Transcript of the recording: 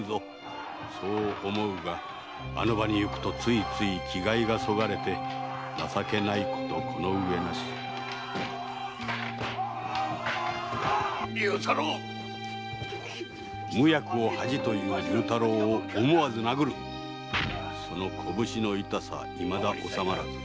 そう思うがあの場に行くとついつい気概がそがれて情けないことこのうえなし」「無役を恥と言う竜太郎を思わず殴る」「その拳の痛さいまだ治まらず」